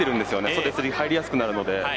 袖釣りに入りやすくなるので。